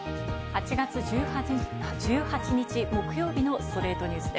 ８月１８日木曜日の『ストレイトニュース』。